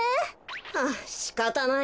はぁしかたないな。